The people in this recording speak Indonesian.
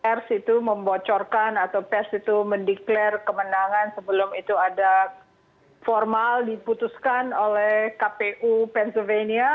kalau air itu membocorkan atau pers itu mendeklar kemenangan sebelum itu ada formal diputuskan oleh kpu pennsylvania